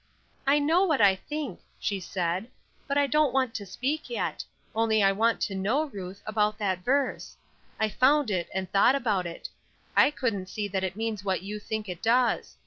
"I know what I think," she said, "but I don't want to speak yet; only I want to know, Ruth, about that verse; I found that, and thought about it. I couldn't see that it means what you think it does.